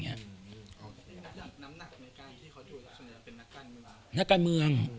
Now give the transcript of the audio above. อ๋อสิ่งหนักน้ำหนักในการที่เขาจะรู้สำหรับเป็นนาการเมือง